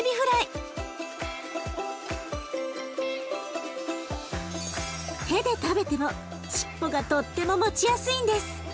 手で食べても尻尾がとっても持ちやすいんです。